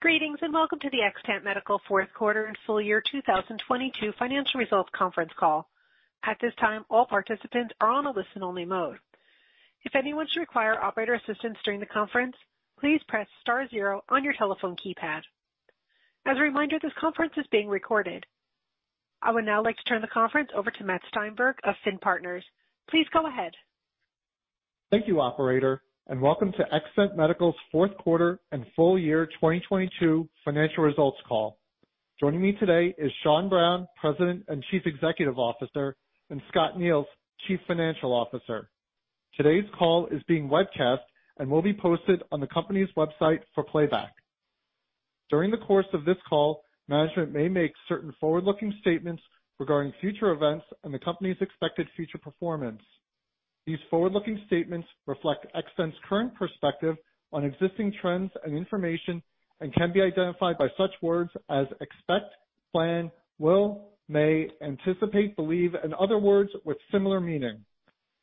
Greetings, welcome to the Xtant Medical Fourth Quarter and Full Year 2022 Financial Results Conference Call. At this time, all participants are in a listen-only mode. If anyone should require operator assistance during the conference, please press star zero on your telephone keypad. As a reminder, this conference is being recorded. I would now like to turn the conference over to Matt Steinberg of FINN Partners. Please go ahead. Thank you, operator. Welcome to Xtant Medical's Fourth Quarter and Full Year 2022 Financial Results Call. Joining me today are Sean Browne, President and Chief Executive Officer, and Scott Neils, Chief Financial Officer. Today's call is being webcast and will be posted on the company's website for playback. During the course of this call, management may make certain forward-looking statements regarding future events and the company's expected future performance. These forward-looking statements reflect Xtant's current perspective on existing trends and information and can be identified by such words as expect, plan, will, may, anticipate, believe, and other words with similar meaning.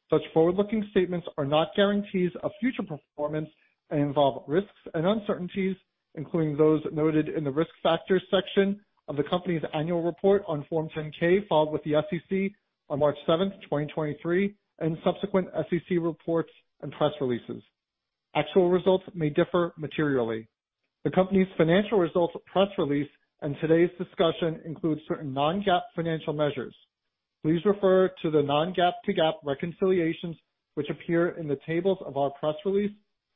Such forward-looking statements are not guarantees of future performance and involve risks and uncertainties, including those noted in the Risk Factors section of the company's annual report on Form 10-K filed with the SEC on March 7, 2023, and subsequent SEC reports and press releases. Actual results may differ materially. The company's financial results press release and today's discussion include certain non-GAAP financial measures. Please refer to the non-GAAP to GAAP reconciliations, which appear in the tables of our press release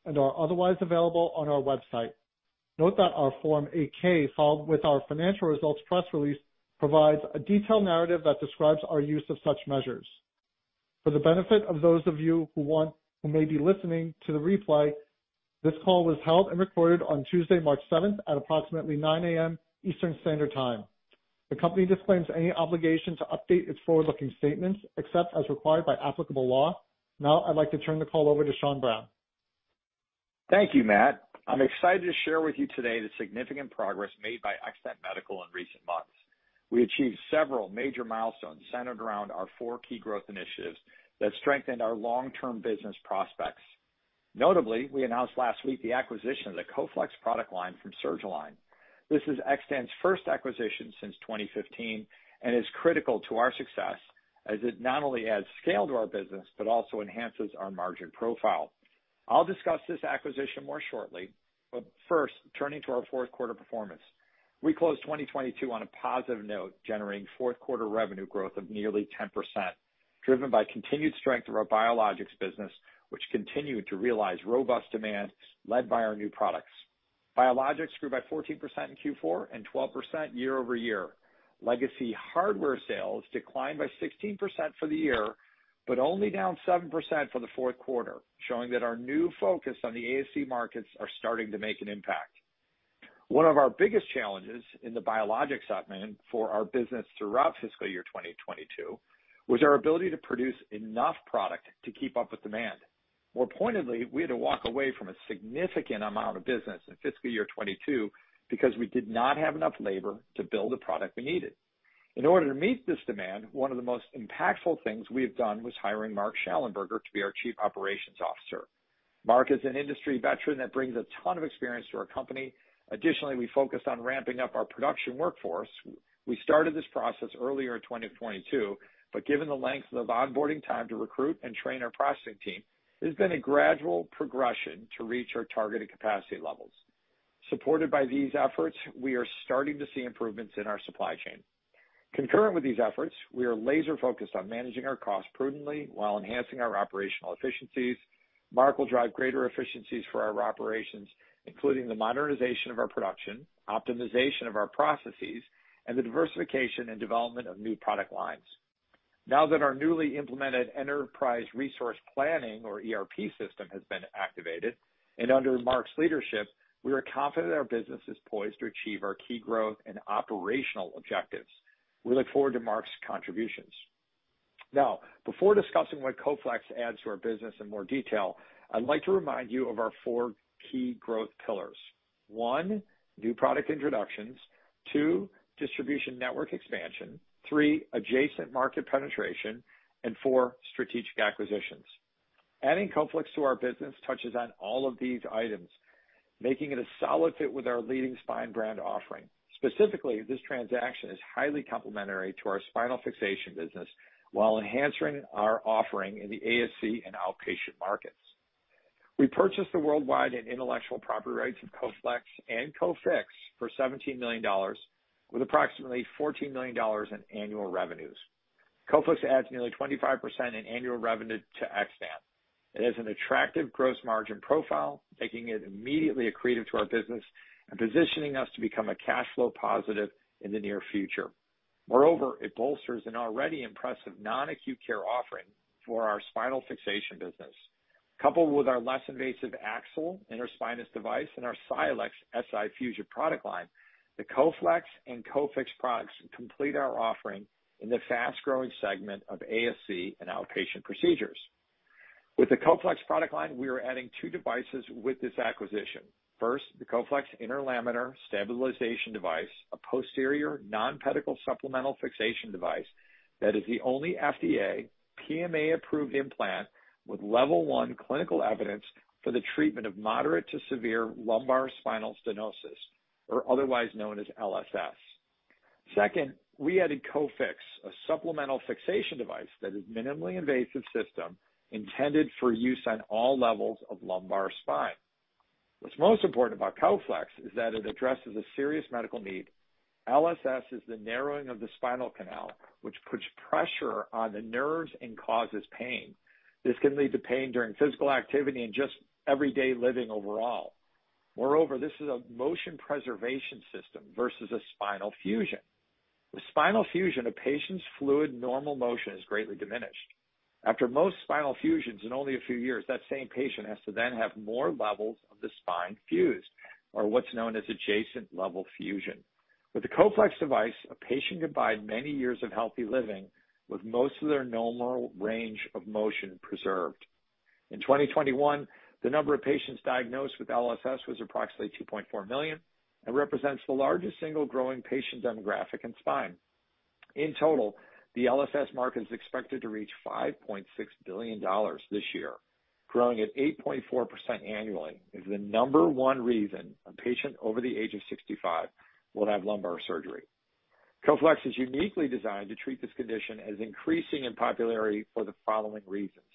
and are otherwise available on our website. Note that our Form 8-K, filed with our financial results press release, provides a detailed narrative that describes our use of such measures. For the benefit of those of you who may be listening to the replay, this call was held and recorded on Tuesday, March 7th, at approximately 9:00 A.M. Eastern Standard Time. The company disclaims any obligation to update its forward-looking statements except as required by applicable law. I'd like to turn the call over to Sean Browne. Thank you, Matt. I'm excited to share with you today the significant progress made by Xtant Medical in recent months. We achieved several major milestones centered around our four key growth initiatives that strengthened our long-term business prospects. Notably, we announced last week the acquisition of the Coflex product line from Surgalign. This is Xtant's first acquisition since 2015 and is critical to our success as it not only adds scale to our business but also enhances our margin profile. I'll discuss this acquisition more shortly. First, turning to our fourth quarter performance. We closed 2022 on a positive note, generating fourth-quarter revenue growth of nearly 10%, driven by the continued strength of our biologics business, which continued to realize robust demand led by our new products. Biologics grew by 14% in Q4 and 12% year-over-year. Legacy hardware sales declined by 16% for the year, but only down 7% for the fourth quarter, showing that our new focus on the ASC markets is starting to make an impact. One of our biggest challenges in the biologics segment for our business throughout fiscal year 2022 was our ability to produce enough product to keep up with demand. More pointedly, we had to walk away from a significant amount of business in fiscal year 22 because we did not have enough labor to build the product we needed. In order to meet this demand, one of the most impactful things we have done was hiring Mark Schallenberger to be our Chief Operating Officer. Mark is an industry veteran that brings a ton of experience to our company. Additionally, we focused on ramping up our production workforce. We started this process earlier in 2022, but given the length of onboarding time to recruit and train our processing team, it has been a gradual progression to reach our targeted capacity levels. Supported by these efforts, we are starting to see improvements in our supply chain. Concurrent with these efforts, we are laser-focused on managing our costs prudently while enhancing our operational efficiencies. Mark will drive greater efficiencies for our operations, including the modernization of our production, optimization of our processes, and the diversification and development of new product lines. Now that our newly implemented enterprise resource planning or ERP system has been activated and under Mark's leadership, we are confident our business is poised to achieve our key growth and operational objectives. We look forward to Mark's contributions. Now, before discussing what Coflex adds to our business in more detail, I'd like to remind you of our four key growth pillars. One, new product introductions. Two, distribution network expansion. Three, adjacent market penetration. Four, strategic acquisitions. Adding Coflex to our business touches on all of these items, making it a solid fit with our leading spine brand offering. Specifically, this transaction is highly complementary to our spinal fixation business while enhancing our offering in the ASC and outpatient markets. We purchased the worldwide and intellectual property rights of Coflex and Cofix for $17 million, with approximately $14 million in annual revenues. Coflex adds nearly 25% in annual revenue to Xtant. It has an attractive gross margin profile, making it immediately accretive to our business and positioning us to become cash flow positive in the near future. It bolsters an already impressive non-acute care offering for our spinal fixation business. Coupled with our less invasive Axle interspinous device and our Silex SI fusion product line, the Coflex and Cofix products complete our offering in the fast-growing segment of ASC and outpatient procedures. With the Coflex product line, we are adding two devices with this acquisition. First, the Coflex interlaminar stabilization device, a posterior nonpedicle supplemental fixation device that is the only FDA PMA-approved implant with level one clinical evidence for the treatment of moderate to severe lumbar spinal stenosis or otherwise known as LSS. Second, we added Cofix, a supplemental fixation device that is a minimally invasive system intended for use on all levels of the lumbar spine. What's most important about Coflex is that it addresses a serious medical need. LSS is the narrowing of the spinal canal, which puts pressure on the nerves and causes pain. This can lead to pain during physical activity and just everyday living overall. Moreover, this is a motion preservation system versus a spinal fusion. With spinal fusion, a patient's normal fluid motion is greatly diminished. After most spinal fusions, in only a few years, that same patient has to then have more levels of the spine fused, or what's known as adjacent level fusion. With the Coflex device, a patient can buy many years of healthy living with most of their normal range of motion preserved. In 2021, the number of patients diagnosed with LSS was approximately 2.4 million, representing the largest single growing patient demographic in spine. In total, the LSS market is expected to reach $5.6 billion this year, growing at 8.4% annually, which is the number one reason a patient over the age of 65 will have lumbar surgery. Coflex is uniquely designed to treat this condition as increasing in popularity for the following reasons.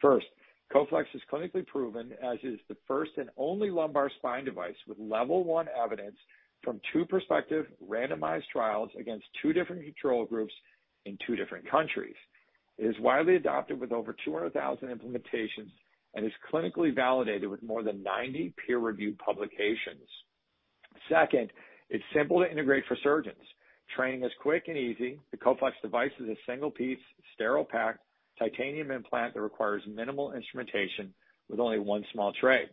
First, Coflex is clinically proven, as it is the first and only lumbar spine device with level one evidence from two prospective randomized trials against two different control groups in two different countries. It is widely adopted with over 200,000 implementations and is clinically validated with more than 90 peer-reviewed publications. Second, it's simple to integrate for surgeons. Training is quick and easy. The Coflex device is a single-piece, sterile pack titanium implant that requires minimal instrumentation with only one small tray.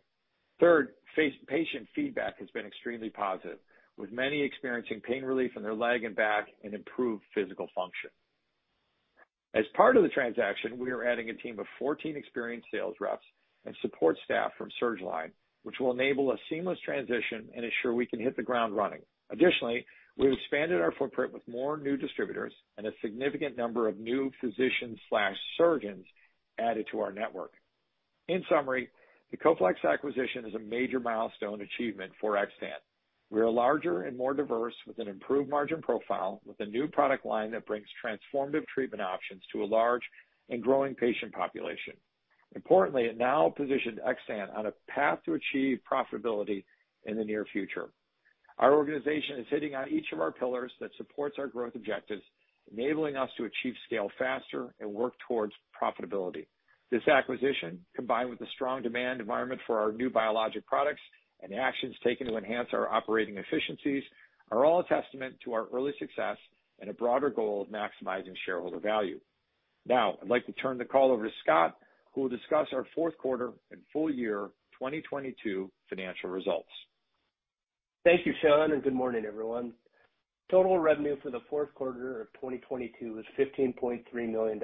Third, patient feedback has been extremely positive, with many experiencing pain relief in their leg and back and improved physical function. As part of the transaction, we are adding a team of 14 experienced sales reps and support staff from Surgalign, which will enable a seamless transition and ensure we can hit the ground running. Additionally, we've expanded our footprint with more new distributors and a significant number of new physicians/surgeons added to our network. In summary, the Coflex acquisition is a major milestone achievement for Xtant. We are larger and more diverse with an improved margin profile, with a new product line that brings transformative treatment options to a large and growing patient population. Importantly, it now positioned Xtant on a path to achieve profitability in the near future. Our organization is hitting on each of our pillars that support our growth objectives, enabling us to achieve scale faster and work towards profitability. This acquisition, combined with the strong demand environment for our new biologic products and the actions taken to enhance our operating efficiencies, is a testament to our early success and a broader goal of maximizing shareholder value. I'd like to turn the call over to Scott, who will discuss our fourth quarter and full year 2022 financial results. Thank you, Sean. Good morning, everyone. Total revenue for the fourth quarter of 2022 was $15.3 million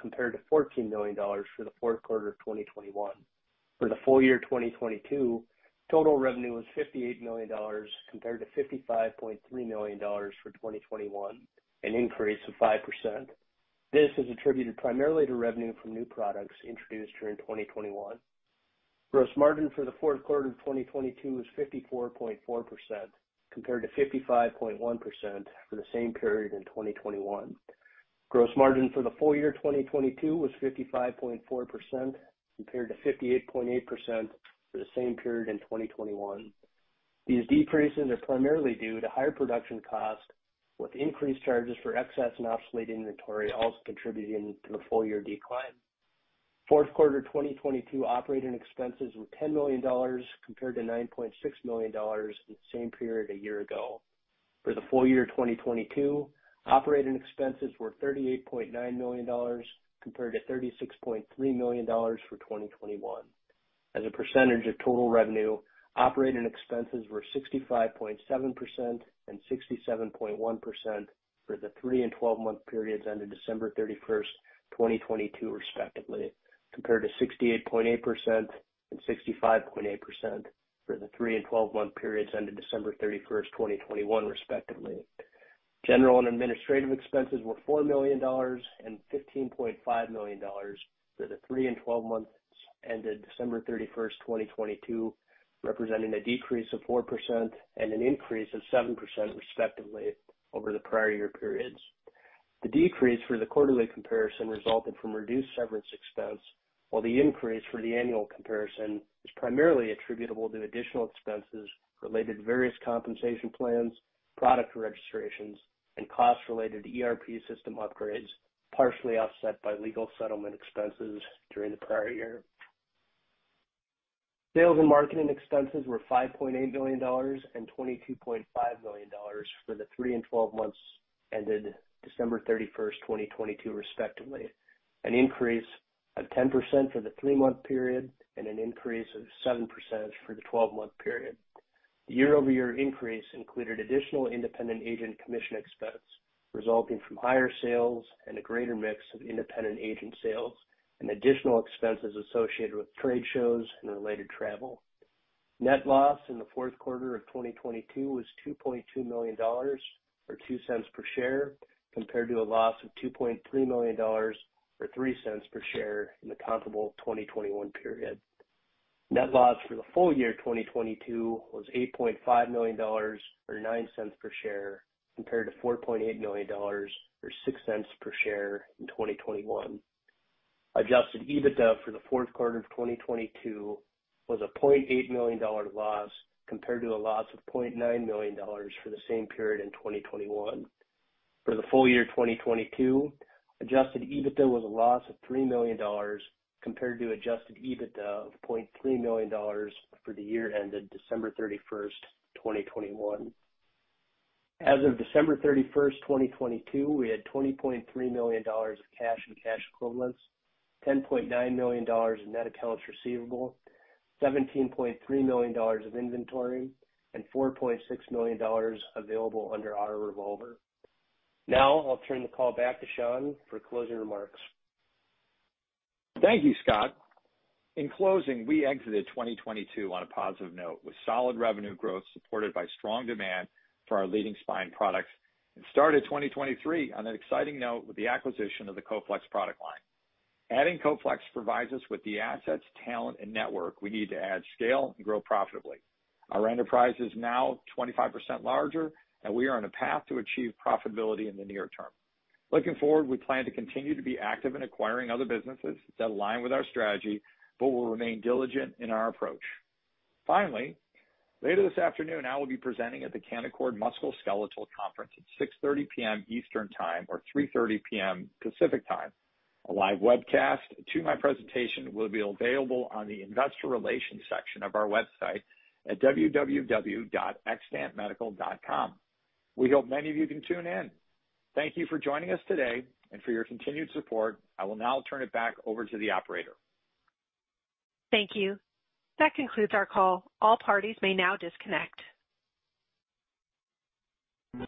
compared to $14 million for the fourth quarter of 2021. For the full year 2022, total revenue was $58 million compared to $55.3 million for 2021, an increase of 5%. This is attributed primarily to revenue from new products introduced during 2021. Gross margin for the fourth quarter of 2022 was 54.4%, compared to 55.1% for the same period in 2021. Gross margin for the full year 2022 was 55.4%, compared to 58.8% for the same period in 2021. These decreases are primarily due to higher production costs, with increased charges for excess and obsolete inventory also contributing to the full-year decline. Fourth quarter 2022 operating expenses were $10 million compared to $9.6 million in the same period a year ago. For the full year 2022, operating expenses were $38.9 million compared to $36.3 million for 2021. As a percentage of total revenue, operating expenses were 65.7% and 67.1% for the three and twelve-month periods ended December 31st, 2022, respectively, compared to 68.8% and 65.8% for the three and twelve-month periods ended December 31st, 2021, respectively. General and administrative expenses were $4 million and $15.5 million for the 3 and 12 months ended December 31, 2022, representing a decrease of 4% and an increase of 7%, respectively, over the prior year periods. The decrease for the quarterly comparison resulted from reduced severance expense, while the increase for the annual comparison is primarily attributable to additional expenses related to various compensation plans, product registrations, and costs related to ERP system upgrades, partially offset by legal settlement expenses during the prior year. Sales and marketing expenses were $5.8 million and $22.5 million for the 3 and 12 months ended December 31, 2022, respectively, an increase of 10% for the three-month period and an increase of 7% for the 12-month period. The year-over-year increase included additional independent agent commission expense resulting from higher sales and a greater mix of independent agent sales and additional expenses associated with trade shows and related travel. Net loss in the fourth quarter of 2022 was $2.2 million or $0.02 per share, compared to a loss of $2.3 million or $0.03 per share in the comparable 2021 period. Net loss for the full year 2022 was $8.5 million or $0.09 per share, compared to $4.8 million or $0.06 per share in 2021. Adjusted EBITDA for the fourth quarter of 2022 was a $0.8 million loss, compared to a loss of $0.9 million for the same period in 2021. For the full year 2022, adjusted EBITDA was a loss of $3 million compared to adjusted EBITDA of $0.3 million for the year ended December 31st, 2021. As of December 31st, 2022, we had $20.3 million of cash and cash equivalents, $10.9 million in net accounts receivable, $17.3 million of inventory, and $4.6 million available under our revolver. Now I'll turn the call back to Sean for closing remarks. Thank you, Scott. In closing, we exited 2022 on a positive note with solid revenue growth supported by strong demand for our leading spine products and started 2023 on an exciting note with the acquisition of the Coflex product line. Adding Coflex provides us with the assets, talent, and network we need to add scale and grow profitably. Our enterprise is now 25% larger, and we are on a path to achieve profitability in the near term. Looking forward, we plan to continue to be active in acquiring other businesses that align with our strategy, but will remain diligent in our approach. Later this afternoon, I will be presenting at the Canaccord Genuity Musculoskeletal Conference at 6:30 P.M. Eastern Time or 3:30 P.M. Pacific Time. A live webcast to my presentation will be available on the investor relations section of our website at www.xtantmedical.com. We hope many of you can tune in. Thank you for joining us today and for your continued support. I will now turn it back over to the operator. Thank you. That concludes our call. All parties may now disconnect.